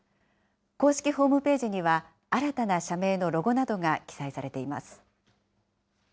公式ホームページには、新たな社名のロゴなどが記載されています。